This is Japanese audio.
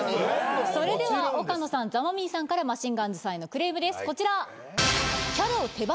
それでは岡野さんザ・マミィさんからマシンガンズさんへのクレームですこちら。